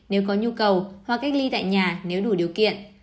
nếu có nhu cầu hoặc cách ly tại nhà nếu đủ điều kiện